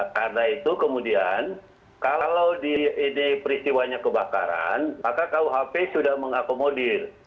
karena itu kemudian kalau di peristiwanya kebakaran maka kuhp sudah mengakomodir